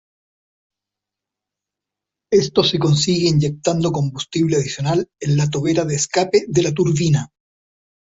Esto se consigue inyectando combustible adicional en la tobera de escape de la turbina.